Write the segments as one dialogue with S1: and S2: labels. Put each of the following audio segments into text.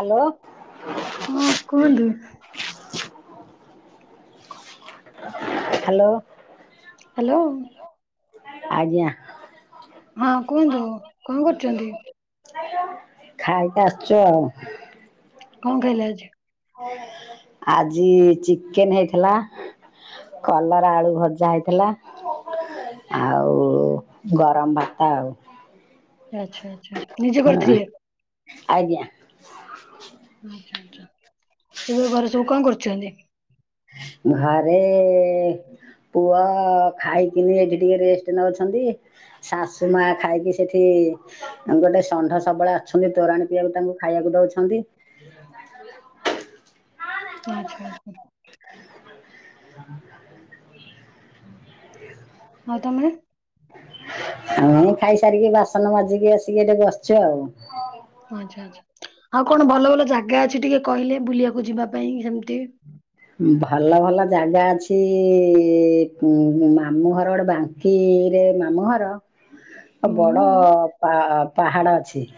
S1: Hello.
S2: ହଁ କୁହନ୍ତୁ
S1: hello.
S2: Hello.
S1: ଆଜ୍ଞା।
S2: ହଁ କୁହନ୍ତୁ କଣ କରୁଛନ୍ତି?
S1: ଖାଇକି ଆସୁଚୁ ଆଉ।
S2: କଣ ଖାଇଲେ ଆଜି?
S1: ଆଜି ଚିକେନ ହେଇଥିଲା। କଲରା ଆଳୁ ଭଜା ହେଇଥିଲା। ଆଉ ଗରମ ଭାତ ଆଉ।
S2: ଆଚ୍ଛା ଆଚ୍ଛା ନିଜେ
S1: ହଁ
S2: କରିଥିଲେ।
S1: ଆଜ୍ଞା।
S2: ଆଛା ଆଛା ଏବେ ଘରେ ସବୁ କଣ କରୁଛନ୍ତି?
S1: ଘରେ ପୁଅ ଖାଇ କି ଏଠି ଟିକେ ରେଷ୍ଟ ନଉଛନ୍ତି। ଶାଶୁ ମା ଖାଇକି ସେଠି ଗୋଟେ ଷଣ୍ଢ ସବୁବେଳେ ଅଛନ୍ତି ତୋରାନି ପିଇବାକୁ ତାଙ୍କୁ ଖାଇବାକୁ ଦଉଛନ୍ତି।
S2: ଆଚ୍ଛା ଆଛା।
S1: [inaudible]
S2: ହଁ ତମେ
S1: ମୁଁ ଖାଇସାରିକି ବାସନ ମାଜିକି ଆସିକି ଏଠି ବସିଛି ଆଉ।
S2: ଓ ଆଚ୍ଛା ଆଚ୍ଛା ଆଉ କଣ ଭଲ ଭଲ ଜାଗା ଅଛି ଟିକେ କହିଲେ ବୁଲିବାକୁ ଯିବା ପାଇଁ ସେମତି।
S1: ଭଲ ଭଲ ଜାଗା ଅଛି ଉଁ ମା ମାମୁଁଘର ଗୋଟେ ବାଙ୍କିରେ ମାମୁଁଘର ଆ
S2: ହୁଁ
S1: ବଡ ପା-ପାହାଡ ଅଛି।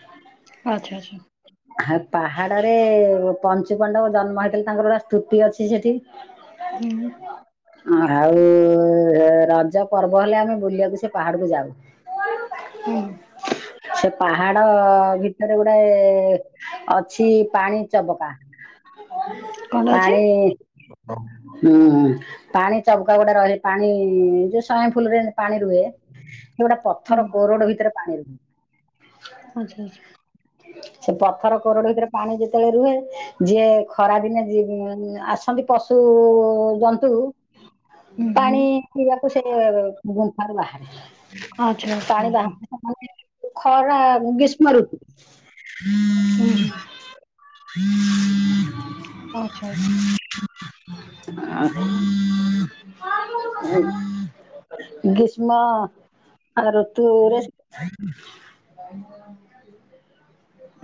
S2: ଆଚ୍ଛା ଆଚ୍ଛା।
S1: ହା ପାହାଡରେ ପଞ୍ଚୁ ପଣ୍ଡପ ଜନ୍ମ ହେଇଥିଲେ ତାଙ୍କର ଆସ୍ ସ୍ତୁପି ଅଛି ସେଠି।
S2: ହୁଁ।
S1: ଆଉ ଏରା ଯୋଉ ପର୍ବ ହେଲେ ଆମେ ବୁଲିଆକୁ ସେ ପାହାଡକୁ ଯାଉ।
S2: ହୁଁ
S1: ସେ ପାହାଡ ଭିତେରେ ଗୁଡ଼ାଏ ଅଛି ପାଣି ଚବକା
S2: କଣ ଅଛି
S1: ପାଣି ହୁଁ ପାଣି ଚବକା ଗୋଟା ରହେ ପାଣି ଯୋଉ ସଇଁ ଫୁଲରେ ପାଣି ରୁହେ ମୁଁ ଗୋଟା
S2: ହୁଁ
S1: ପଥର କୋରଡ ଭିତେରେ ପାଣି ରୁହେ।
S2: ଆଚ୍ଛା ଆଚ୍ଛା।
S1: ସେ ପଥର କୋରଡ ଭିତରେ ପାଣି ଯେତୋଳେ ରୁହେ ଯିଏ ଖରା ଦିନେ ଯିଏ ଉମ୍ ଆସନ୍ତି ପଶୁ ଜନ୍ତୁ
S2: ହୁଁ ହୁଁ
S1: ପାଣି ପିଇବାକୁ ସେ ଗୁମ୍ଫାରୁ ବାହାରେ
S2: ଆଚ୍ଛା ଆଚ୍ଛା
S1: ପାଣି
S2: ଆଚ୍ଛା
S1: ବାହା [unintelligible] ଖରା ଗ୍ରୀଷ୍ମଋତୁ।
S2: ହୁଁ ହୁଁ ଓ ଆଚ୍ଛା।
S1: ଗ୍ରୀଷ୍ମ ଆ ଋତୁରେ ସେ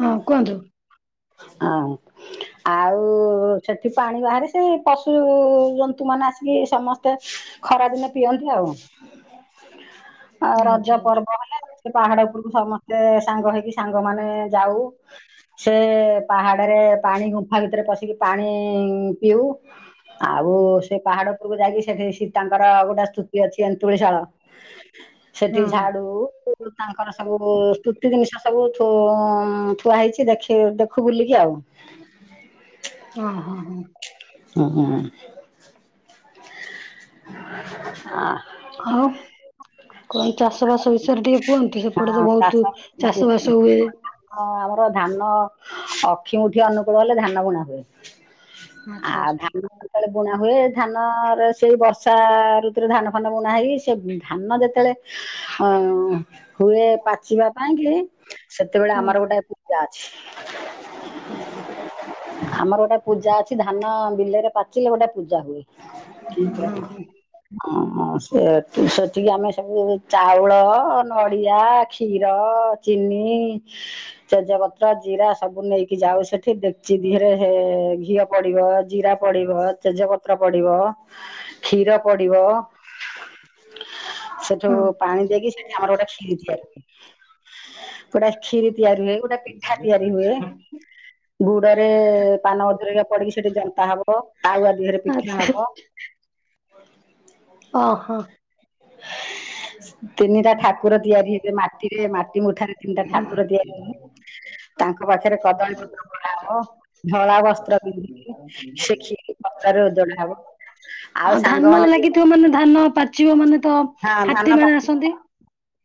S2: ହଁ କୁହନ୍ତୁ।
S1: ଆଉଁ ଆଉ ସେଠି ପାଣି ବାହାରେ ସ୍ ସେଇ ପଶୁ ଜନ୍ତୁ ମାନେ ଆସିକି ସମସ୍ତେ ଖରାଦିନେ ପିଅନ୍ତି ଆଉ। ଆଉ ରଜ
S2: ଆଚ୍ଛା ଆଚ୍ଛା
S1: ପର୍ବ ହେଲା ସେ ପାହାଡ ଉପୁରକୁ ସମସ୍ତେ ସାଙ୍ଗ ହେଇକି ସାଙ୍ଗମାନେ ଯାଉ। ସେ ପାହାଡରେ ପାଣି ଗୁମ୍ଫା ଭିତେରେ ପଶିକି ପାଣି ପିଉ। ଆଉ ସେ ପାହାଡ ଉପୁରକୁ ଯାଇକି ସେଠି ସୀତାଙ୍କର ଗୋଟେ ସ୍ତୁତି ଅଛି ଏନ୍ତୁଳିଶାଳ। ସେଠି
S2: ହଁ
S1: ଝାଡୁ ତାଙ୍କର ସବୁକୁ ସ୍ତୁତି ଜିନିଷ ସବୁ ଥୁଉ ଥୁଆହେଇଚି ଦେଖି ଇ ଦେଖୁ ବୁଲିକି ଆଉ।
S2: ଓହୋ ହଁ ହଁ।
S1: ହୁଁଉ। ଆ
S2: ଆଉ କଣ ଚାଷବାସ ବିଷୟରେ ଟିକେ କୁହନ୍ତୁ ସେପଟେ ତ
S1: ଆ
S2: ବୋହୁତୁ
S1: ହଁ
S2: ଚାଷବାସ ହୁଏ।
S1: ହଁ ଆମର ଧାନ ଅକ୍ଷିମୁଠି ଅନୁକୂଳ ହେଲେ ଧାନ ବୁଣାହୁଏ। ଆ
S2: ଆଚ୍ଛା ଆଚ୍ଛା
S1: ଧାନ କେତେଳେ ବୁଣାହୁଏ ଧାନରେ ସେଇ ବର୍ଷା ଋତୁରେ ଧାନ ଫାନ ବୁଣା ହେଇ ସିଏ ଧାନ ଯେତେଳେ ଆଉଁ ହୁଏ ପାଚିବା ପାଇଁକି ସେତେବେଳେ ଆମର ଗୋଟାଏ ପୁଁ
S2: ହୁଁ।
S1: ଆମର ଗୋଟାଏ ପୂଜା ଅଛି ଧାନ ବିଲରେ ପାଚିଲେ ଗୋଟା ପୂଜାହୁଏ।
S2: ଅଁହଁ ହଁ।
S1: ଅଁ ସେତି ସେତିକି ଆମେ ସବୁ ଏବେ ଚାଉଳ, ନଡିଆ, କ୍ଷୀର, ଚିନି ତେଜପତ୍ର, ଜିରା ସବୁ ନେଇକି ଯାଉ ସେଠି ଡେକ୍ଚି ଧିଏରେ ହେ ଘିଅ ପଡ଼ିବ ଜିରା ପଡି଼ବ ତେଜପତ୍ର ପଡି଼ବ କ୍ଷୀର ପଡ଼ିବ ସେଠୁ
S2: ହଁ
S1: ପାଣି ଦେଇକି ସେଠି ଆମର ଗୋଟେ କ୍ଷୀରି ତିଆରି ହୁଏ। ଗୋଟାଏ କ୍ଷୀରି ତିଆରି ହୁଏ ଗୋଟାଏ ପିଠା ତିଆରି ହୁଏ। ଗୁଡ଼ରେ ପାନ ଅଧୁରିକା ପଡିକି ସେଠି ଜନ୍ତା ହବ ତାଉଆ ଦିହେରେ
S2: ଆଚ୍ଛା।
S1: ପିଠା ହବ।
S2: ଓହୋ।
S1: ତିନିଟା ଠାକୁର ତିଆରି ହେଲେ ମାଟିରେ ମାଟି ମୁଠାରେ ତିନିଟା ଠାକୁର ତିଆରି ହେଲେ। ତାଙ୍କ ପାଖରେ କଦଳୀପତ୍ର ମରା ହବ ଧଳା ବସ୍ତ୍ର ପିନ୍ଧିକି ସେ କ୍ଷୀରି ପତ୍ରରେ ଓଜଡ଼ା ହବ।
S2: ଆଉ ଧାନ
S1: ସାଙ୍ଗମାନେ ଯିଏ
S2: ଲାଗିଥିବ ମାନେ ଧାନ ପାଚିବ ମାନେ ତ
S1: ହଁ ଧାନ
S2: ହାତୀ ମାନେ
S1: ପାଚି
S2: ଆସନ୍ତି।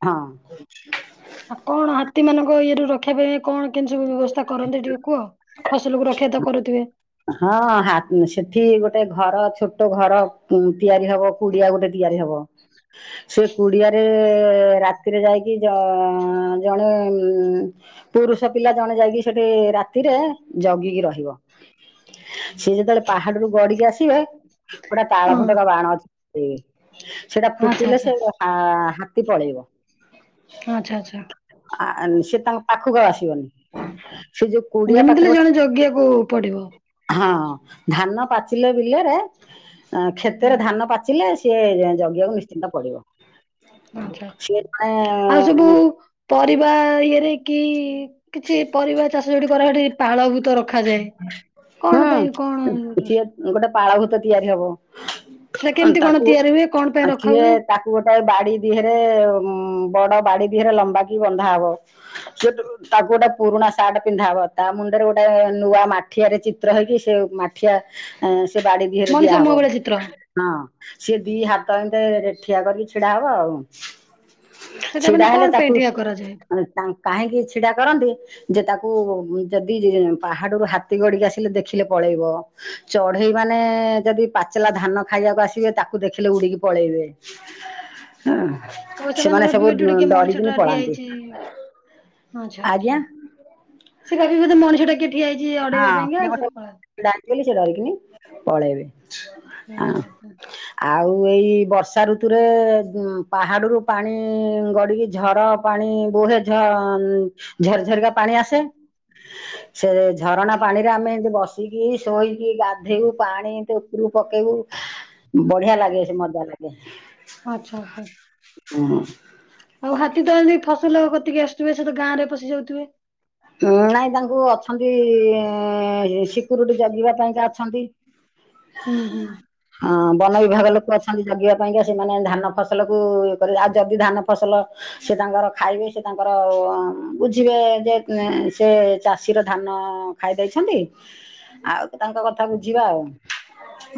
S1: ହଁ। [inaudible]
S2: ଆଉ କଣ ହାତୀ ମାନଙ୍କ ଇଏରୁ ରଖିବା ପାଇଁ କଣ କେମତି ସବୁ ବ୍ୟବସ୍ଥା କରନ୍ତି ଟିକେ କୁହ? ଫସଲକୁୁ ରକ୍ଷିତ କରୁଥିବେ।
S1: ହଁ ସେଠି ଗୋଟେ ଘର ଛୋଟ ଘର ଉଁ ତିଆରି ହବ କୁଡ଼ିଆ ଗୋଟେ ତିଆରି ହବ। ସେ କୁଡି଼ଆରେ ରାତିରେ ଯାଇକି ଜ- ଜଣେ ଉଁ ପୁରୁଷ ପିଲା ଜଣେ ଯାଇକି ସେଠି ରାତିରେ ଜଗିକି ରହିବ। ସିଏ ଯେତେବେଳେ ପାହାଡରୁ ଗଡିକି ଆସିବେ ପୁରା
S2: ହଁ
S1: ତାଳ ଫୋଟକା ବାଣ ଅଛି। ସେଟା
S2: ଆଚ୍ଛା
S1: ଫୁଟିଲେ
S2: ଆଚ୍ଛା
S1: ସେ ହାତୀ ପଳେଇବ।
S2: ଆଚ୍ଛା ଆଚ୍ଛା।
S1: ଆ -ସେ ତାଙ୍କ ପାଖକୁ ଆଉ ଆସିବନି। ସେ ଯୋଉ କୁଡିଆ
S2: ଯେମିତି
S1: ପାଖରେ
S2: ହେଲେ
S1: ଗୋଟେ
S2: ଜଣେ ଜଗିବାକୁ ପଡି଼ବ।
S1: ହଁ ଧାନ ପାଚିଲେ ବିଲରେ ଉଁ କ୍ଷେତରେ ଧାନ। ଧାନ ପାଚିଲେ ସିଏ ଜଗିବାକୁ ନିଶ୍ଚିନ୍ତ ପଡି଼ବ।
S2: ଆଛା ଆଉ ସବୁ ପରିବା ଇଏରେ କି କିଛି ପରିବା ଚାଷ ଯୋଡି କରାି ପାଳଭୂତ ରଖାଯାଏ। କଣ ପାଇଁ କଣ
S1: ହୁଁ ସିଏ ଗୋଟେ ପାଳଭୂତ ତିଆରି ହବ।
S2: ସେଟା
S1: ଉଁ
S2: କେମିତି କଣ
S1: ତାକୁ
S2: ତିଆରି ହୁଏ କଣ ପାଇଁ ରଖା
S1: କିଏ
S2: ହୁଏ?
S1: ତାକୁ ଗୋଟାଏ ବାଡି଼ ଦିହରେ ବଡ଼ ବାଡି଼ ଦିହରେ ଲମ୍ବା କି ବନ୍ଧା ହବ ସେଠୁ ତାକୁ ଗୋଟେ ପୁରୁଣା ସାର୍ଟ ପିନ୍ଧା ହବ ତା ମୁଣ୍ଡରେ ଗୋଟେ ନୂଆ ମାଠିଆରେ ଚିତ୍ର ହେଇକି ସିଏ ମାଠିଆ। ଏଁ ସେ ବାଡି଼ ଦିହରେ
S2: ମଣିଷ ମୁହଁ
S1: ଦିଆହବ।
S2: ଭଳିଆ ଚିତ୍ର
S1: ହଁ ସିଏ ଦି ହାତ ଏମେ ଠିଆ କରିକି ଛିଡ଼ା ହବ ଆଉ।
S2: ସେଟା ମାନେ
S1: ଛିଡା଼
S2: କଣ
S1: ହେଲେ
S2: ପାଇଁ
S1: ତାକୁ
S2: ଠିଆ କରାଯାଏ?
S1: କାହିଁକି ଛି ଛିଡ଼ା କରନ୍ତି ଯେ ତାକୁ ଯଦି ପାହାଡରୁ ହାତୀ ଗଡି଼କି ଆସିଲେ ଦେଖିଲେ ପଳେଇବ ଚଢେଇ ମାନେ ଯଦି ପା ଚିଲା ଧାନ ଖାଇବାକୁ ଆସିବେ ତାକୁ ଦେଖିଲେ ଉଡିକି ପଳେଇବେ। ଉଁ
S2: ଓହୋ ସେମାନେ ଭାବିବେ ଏଠି କିଏ ଗୋଟେ ମଣିଷଟା ଠିଆହେଇଚି। ଆଛା
S1: ଆଜ୍ଞା
S2: ଆଛା ସେ କପି ବୋଧେ ମଣିଷ ଟା କେଠିଆ ହେଇଛି ଆଉ
S1: ହଁଏ ଛିଡ଼ା ହେଇଚି ସେ ଡରିକିନି ପଳେଇବେ। ହଁ
S2: ଆଚ୍ଛା ଆଛା।
S1: ଆଉ ଏଇ ବର୍ଷା ଋତୁରେ ପାହାଡ଼ରୁ ପାଣି ଗଡ଼ିକି ଝର ପାଣି ବୋହେଝ ଝରଝରିକା ପାଣି ଆସେ। ସେ ଝରଣା ପାଣିରେ ଆମେ ଏମତି ବସିକି ଶୋଇକି ଗାଧେଇବୁ ପାଣି ଏମିତି ଉପରୁ ପକେଇବୁ। ବଢିଆ ଲାଗେ ସେ ମଜା ଲାଗେ।
S2: ଓ ଆଚ୍ଛା ଆଚ୍ଛା।
S1: ହୁଁ।
S2: ଆଉ ହାତୀ ତ ଏମିତି ଫସଲ କତିକି ଆସୁଥେ ସେ ତ ଗାଁରେ ପଶି ଯାଉଥିବେ?
S1: ଉଁ ନାଇଁ ତାଙ୍କୁ ଅଛନ୍ତି ଏ ଏ ସିକ୍ୟରିଟି ଜଗିବା ପାଇଁକା ଅଛନ୍ତି।
S2: ହୁଁ ହୁଁ।
S1: ହଁ ବନ ବିଭାଗ ଲୋକ ଅଛନ୍ତି? ମାଗିବା ପାଇଁକା ସେମାନେ ଧାନ ଫସଲକୁ ଇଏ କରି ଆଉ ଯଦି ଧାନ ଫସଲ ସେ ତାଙ୍କର ଖାଇବେ ସେ ତାଙ୍କର ହୁଁ ବୁଝିବାେ ଯେ ନେ ସେ ଚାଷୀର ଧାନ ଖାଇ ଦେଇଛନ୍ତି ଆଉ ତାଙ୍କ କଥା ବୁଝିବା ଆଉ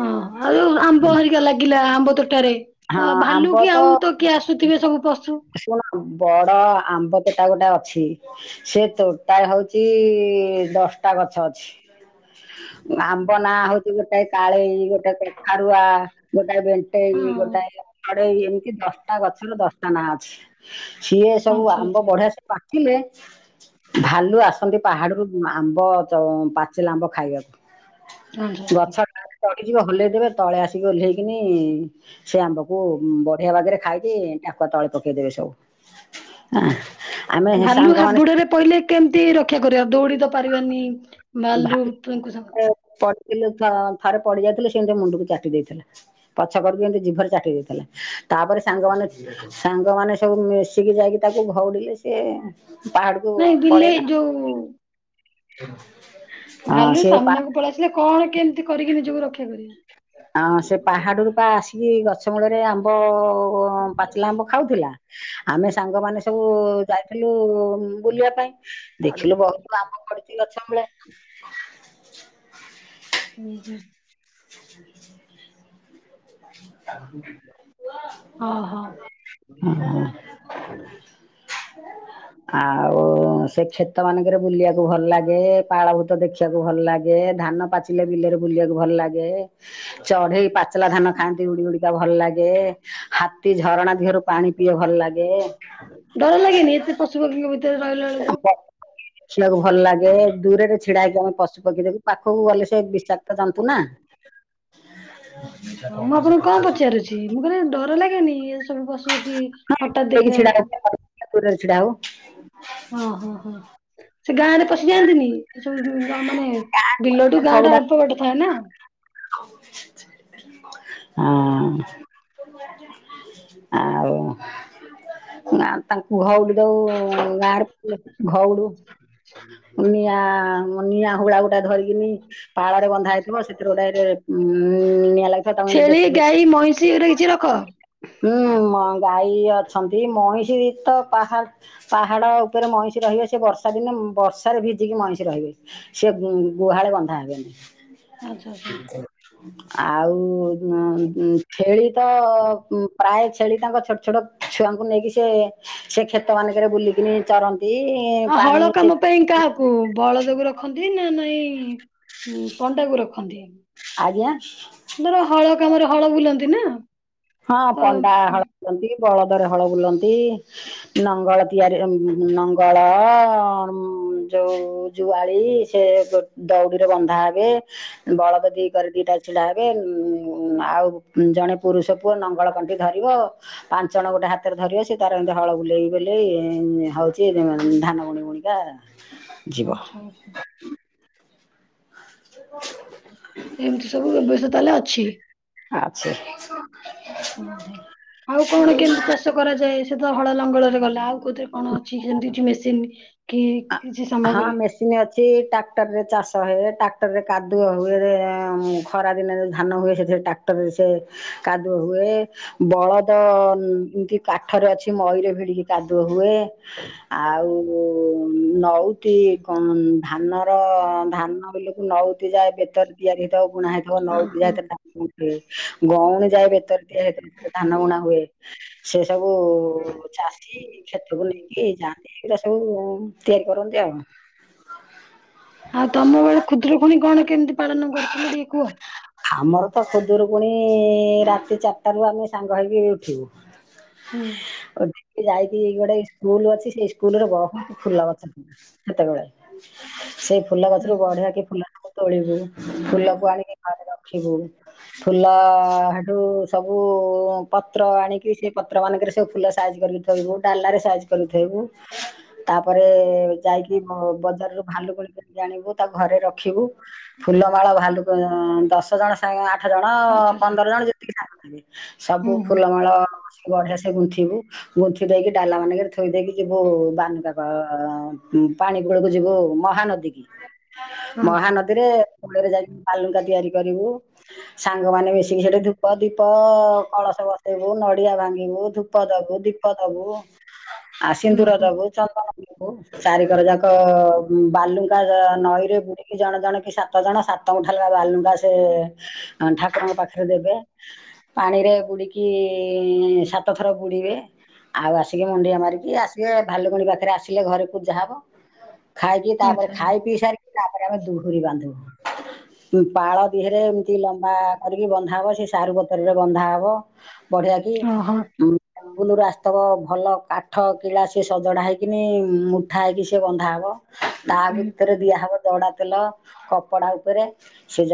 S2: ହଁ ଆଉ ଯୋଉ ଆମ୍ବ
S1: ହୁଁ।
S2: ହେରିକା ଲାଗିଲା ଆମ୍ବ ତୋଟାରେ
S1: ହଁ
S2: ତ ଭାଲୁ
S1: ଆମ୍ବ
S2: କି
S1: ତ
S2: ଆଉ କିଏ ଆସୁଥିବେ ସବୁ ପଶୁ
S1: ଶୁଣ ବଡ ଆମ୍ବ ତୋଟା ଗୋଟେ ଅଛି। ସେ ତୋଟା ହଉଛି ଦଶଟା ଗଛ ଅଛି। ଆମ୍ବ ନାଁ ହଉଛି ଗୋଟେ କାଳେଇ ଗୋଟେ କଖାରୁଆ। ଗୋଟାଏ ବେଣ୍ଟେ
S2: ହଁ
S1: ଗୋଟାଏ ଆଉ ଗୋଟେ ଏମିତି ଦଶଟା ଗଛର ଦଶଟା ନାଁ ଅଛି ସିଏ ସବୁ
S2: ଆଚ୍ଛା
S1: ଆମ୍ବ
S2: ଆଚ୍ଛା
S1: ବଢିଆ ପାଚିଲେ ଭାଲୁ ଆସନ୍ତି ପାହାଡରୁ ଆମ୍ବ ଚ ପା ପାଚିଲା ଆମ୍ବ ଖାଇବାକୁ
S2: ଆଚ୍ଛା ଆଚ୍ଛା
S1: ଗଛ ଚଡ଼ିଯିବ ହଲେଇଦେବେ ତଳେ ଆସିକି ଓହ୍ଲେଇକିନି ସେ ଆମ୍ବକୁ ବଢିଆ ବାଗରେ ଖାଇକି ଟାକୁଆ ତଳେ ପକେଇଦେବେ ସବୁ ଆଁ
S2: ଭାଲୁ ହାବୁଡରେ ପହିଲେ କେମିତି ରକ୍ଷା କରିବା ଦୌଡି ତ ପାରିବାନି। ଭାଲୁ [unintelligible]
S1: ପଡିଥିଲେ ଥ ଥରେ ପଡି ଯାଇଥିଲେ ସେ ଏମିତି ମୁଣ୍ଡକୁ ଚାଟି ଦେଇଥିଲା। ପଛ କରିକୁ ଏମିତି ଜିଭରେ ଚାଟି ଦେଇଥିଲା ତାପରେ ସାଙ୍ଗମାନେ ସାଙ୍ଗମାନେ ସବୁ ମିଶିକି ଯାଇକି ତାକୁ ଘଉଡିଲେ ସିଏ ପାହାଡକୁ
S2: ନାଇଁ ବିଲେଇ
S1: ପଳେଇଲା।
S2: ଯୋଉ
S1: ହଁ
S2: ଭାଲୁ
S1: ସେ ପା
S2: ସାମ୍ନାକୁ ପଳେଇଆସିଲେ କଣ କେମିତି କରିକି ନିଜକୁ ରକ୍ଷା କରିବୁ?
S1: ହଁ ସେ ପାହାଡରୁପା ଆସିକି ଗଛ ମୂଳରେ ଆମ୍ବ ପାଚିଲା ଆମ୍ବ ଖାଉଥିଲା। ଆମେ ସାଙ୍ଗମାନେ ସବୁ ଯାଇଥିଲୁ ବୁଲିବା ପାଇଁ ଦେଖିଲୁ ବ [unintelligible] ଗଛ ମୂଳେ।
S2: ଉଁ ହୁଁ।
S1: [inaudible] ପୁଅ
S2: ଓହୋ
S1: [inaudible] ହ ଆଉ ସେ କ୍ଷେ ଶୀତମାନଙ୍କରେ ବୁଲିବାକୁ ଭଲ ଲାଗେ ପାଳଭୂତ ଦେଖିବାକୁ ଭଲ ଲାଗେ ଧାନ ପାଚିଲେ ବିଲରେ ବୁଲିବାକୁ ଭଲ ଲାଗେ। ଗେ ଚଢେଇ ପାଚଲା ଧାନ ଖାଆନ୍ତି ଉଡି ଉଡିକା ଭଲ ଲାଗେ ହାତୀ ଝରଣା ଦେହରୁ ପାଣି ପିଏ ଭଲ ଲାଗେ।
S2: ଡର ଲାଗେନି ଏତେ ପଶୁ ପକ୍ଷୀଙ୍କ ଭିତରେ ରହିଲା ବେଳକୁ?
S1: ଖିବାକୁ ଭଲ ଲାଗେ ଦୂରରେ ଛିଡା ହେଇକି ଆମେ ପଶୁ ପକ୍ଷି ଦେବୁ ପାଖକୁ ଗଲେ ସେ ବିଶାକ୍ତ ଯନ୍ତୁ ନା?
S2: ହଁ ମୁଁ ଆପଣଙ୍କୁ କଣ ପଚାରୁଛି ମୁଁ କହିଲେ ଡର ଲାଗେନି ଏ ସବୁ ପଶୁ କି ହଠାତ୍
S1: ହେଇକି
S2: ଦେଖିଲା
S1: ଛିଡା
S2: ବେଳକୁ
S1: ଦୂରରେ ଛିଡ଼ା ହବୁ।
S2: ଓଁ ହଁ ହଁ ସେ ଗାଁ ରେ ପଶିଯାଆନ୍ତିନି? ହୁଁ ହୁଁ ଗାଁ ମାନେ ବିଲ ଠୁ ଗାଁ ଟା ଅଳ୍ପ ବାଟ ଥାଏ ନା?
S1: ଆଁ ଆଉ ନା ତାଙ୍କୁ ଘଉଡି ଦଉ ଗାଁରେ ଘଉଡୁ ନିଆଁ ନିଆଁ ହୁଳାଗୁଟା ଧରିକିନି ପାଳରେ ବନ୍ଧା ହେଇଥିବ ସେଥିରେ ଗୋଟାରେ ଉ ନିଆଁ ଲାଗିଥିବ ତାଙ୍କୁଏମିତି
S2: ଛେଳି
S1: ଦେଖିଦେଲେ
S2: [unintelligible] ରଖ
S1: ହୁଁ ଗାଈ ଅଛନ୍ତି ମଇଷି ତ ପାହା ପାହାଡ଼ ଉପରେ ମଇଁଷି ରହିବେ ସେ ବର୍ଷା ଦିନେ ବର୍ଷାରେ ଭିଜିକି ମଇଁଷି ରହିବେ। ସେ ଗୁ ଗୁହାଳେ ବନ୍ଧା
S2: ଆଚ୍ଛା ଆଚ୍ଛା
S1: ହେବେନି। ଆଉ ହଁ ଛେଳି ତ ପ୍ରାୟ ଛେଳି ତାଙ୍କ ଛୋଟ ଛୋଟ ଛୁଆଙ୍କୁ ନେଇକି ସେ ସେ କ୍ଷେତ ମାନଙ୍କରେ ବୁଲିକିନି ଚରନ୍ତି।
S2: ହଁ
S1: ପାଣି
S2: ହଳ
S1: ସେ
S2: କାମ ପାଇଁ କାହାକୁ ବଳଦ କୁ ରଖ? ରଖନ୍ତି ନା ନାଇଁ ପଣ୍ଡାକୁ ରଖନ୍ତି।
S1: ଆଜ୍ଞା।
S2: ଧର ହଳ କାମରେ ହଳ ବୁଲନ୍ତି ନା?
S1: ହଁ
S2: ତ
S1: ପଣ୍ଡା ହଳ ବୁଲନ୍ତି ବଳଦରେ ହଳ ବୁଲନ୍ତି। ନଙ୍ଗଳ ତିଆରି ନଙ୍ଗଳ ଯୋଉଁ ଜୁଆଳି ସେ ଦଉଡିରେ ବନ୍ଧା ହେବେ ବଳଦ ଦି କରେ ଦିଟା ଛିଡା ହେବେ ଉ ଆଉ ଜଣେ ପୁରୁଷ ପୁଅ ନଙ୍ଗଳକଣ୍ଠି ଧରିବ। ପାଞ୍ଚ ଜଣ ଗୋଟେ ହାତରେ ଧରିବ ସେ ତାର ଏମିତି ହଳ ବୁଲେଇ ବଲେେଇ ହଉଛି ଧାନ ବୁଣି ବୁଣିକା ଯିବ
S2: ଆଛା ଆଛା। ଏମିତି ସବୁ ବ୍ୟବସ୍ଥା ତାହେଲେ ଅଛି?
S1: ଅଛି।
S2: ଓହୋ ଆଉ କଣ କେମିତି ଚାଷ କରାଯାଏ ସେ ତ ହଳ ଲଙ୍ଗଳରେ ଗଲା ଆଉ କଉଥିରେ କଣ ଅଛି ସେମିତି କିଛି ମେସିନ କି କିଛି ସାମଗ୍ରୀ।
S1: ଏମିତି ଅଛି ଟ୍ରାକ୍ଟରରେ ଚାଷ ହୁଏ ଟ୍ରାକ୍ଟରରେ କାଦୁଅ ହୁଏ ଏଁ ଏଁ ଖରା ଦିନରେ ଧାନ ହୁଏ ସେଥିରେ ଟ୍ରାକ୍ଟରରେ ସେ କାଦୁଅ ହୁଏ। ବଳଦ ଏମତି କାଠରେ ଅଛି ମଇରେ ଭିଡିକି କାଦୁଅ ହୁଏ ଆଉ ନଉତି ହଁ ଧାନର ଧାନ ବିଲକୁ ନଉତି ଯାଏ ବେତରେ ତିଆରି ହେଇଥାଉ ବୁଣା ହେଇଥିବ ନଉତି
S2: ଓହୋ
S1: [unintelligible] ଗଉଣ ଯାଏ ବେତରେ ତିଆରି ହେଇଥାଏ ଧାନ ବୁଣା ହୁଏ। ସେ ସବୁ ଚାଷୀ କ୍ଷେତକୁ ନେଇକି ଯାଆନ୍ତି ଏଇରା ସବୁ ତିଆରି କରନ୍ତି ଆଉ।
S2: ଆଉ ତମ ବେଳେ ଖୁଦୁରୁକୁଣୀ କଣ କେମିତି ପାଳନ କରୁଥିଲ ଟିକେ କୁହ?
S1: ଆମର ତ ଖୁଦୁରକୁୁଣି ରାତି ଚାରିଟା ରୁ ଆମେ ସାଙ୍ଗ ହେଇକି ଉଠିବୁ
S2: ହୁଁ
S1: ଯାଇକି ଗୋଟେ ସ୍କୁଲ ଅଛି ସେଇ ସ୍କୁଲରେ ବହୁ ଫୁଲ ଗଛ ସେତେବେଳେ ସେଇ ଫୁଲ
S2: ହୁଁ
S1: ଗଛରୁୁ
S2: ହୁଁ।
S1: ବଢିଆ କି ଫୁଲଟାକୁ ତୋଳିବୁ ଫୁଲକୁ ଆଣିକି ଘରେ ରଖିବୁ ଫୁଲ ହେଟୁ ସବୁ ପତ୍ର ଆଣିକି ସେ ପତ୍ର ମାନଙ୍କରେ ସବୁ ଫୁଲ ସାଇଜ କରିକି ଥୋଇବୁ ଡାଲାରେ ସାଇଜ କରିକି ଥୋଇବୁ ତାପରେ ଯାଇକି ବଜାରରୁ ଭାଲୁକୁଣି ମୂର୍ତ୍ତି ଟେ ଆଣିବୁ ତାକୁ ଘରେ ରଖିବୁ। ଫୁଲମାଳ ଭାଲୁ ଦଶ ଜଣ ସାଙ୍ଗ ଆଠ ଜଣ
S2: ଆଚ୍ଛା ଆଚ୍ଛା
S1: ପନ୍ଦର ଜଣ ଯେତିକି ସାଙ୍ଗ ଥିବେ ସବୁ
S2: ହୁଁ ହୁଁ
S1: ଫୁଲମାଳ ବଢିଆ ସେ ଗୁନ୍ଥିବୁ ଗୁନ୍ଥି ଦେଇକି ଡାଲା ମାନଙ୍କରେ ଥୋଇ ଦେଇକି ଯିବୁ ବାନୁକା ପାଣି କୁଳକୁ ଯିବୁ ମହାନଦୀ କି
S2: ଓହୋ
S1: ମହାନଦୀ ଦୀ କୁଲରେ ଯାଇକି ପାଲୁଙ୍କା ତିଆରି କରିବୁ। ସାଙ୍ଗମାନେ ମିଶିକି ସେଠି ଧୂପ ଦୀପ କଳସ ବସେଇବୁ ନଡିଆ ଭାଙ୍ଗିବୁ ଧୂପ ଦବୁ ଦୀପ ଦବୁ ଆ ସିିନ୍ଦୁର ଦବୁ
S2: ଆ
S1: ଚାରିିକର ଯାକ ବାଲୁଙ୍କା କ ନଈରେ ବୁଡିକି ଜଣେ ଜଣ କି ଶା ତ ଜଣ ସାତ ମୁଠାଲ ବାଲୁଙ୍ଗା ସେ ଅ ଠାକୁରଙ୍କ ପାଖରେ ଦେବେ। ପାଣିରେ ବୁଡିକି ସାତ ଥର ବୁଡିବେ। ଆଉ ଆସିକି ମୁଣ୍ଡିଆ ମାରିକି ଆସିକେ ଭାଲୁକୁଣି ପାଖ ଫେରେ ଆସିଲେ ଘରେ ପୂଜା ହବ ଖାଇକି ତାପରେ
S2: ଆଚ୍ଛା
S1: ଖାଇ
S2: ଆଚ୍ଛା।
S1: ପିଇ ସାରି ତାପରେ ଆମେ ଦୁହୁରି ବାନ୍ଧିବୁ। ପାଳ ଦେହରେ ଏମତି ଲମ୍ବା କରିକି ବନ୍ଧା ହବ ସେ ସାରୁ ପତର ରେ ବନ୍ଧା ହବ। ବଢିଆ କି
S2: ଓହୋ
S1: ଉଁ। କୁଲୁରୁୁ ଆସଥବ ଭଲ କାଠ କିଳା ସେ ସଜଡା ହେଇକିନି ଉଠା ହେଇକି ସେ ବନ୍ଧା ହବ ତା
S2: ହୁଁ
S1: ଭିତରେ ଦିଆ ହବ ଜଡା ତେଲ କପଡା ଉପରେ ସେ ଯ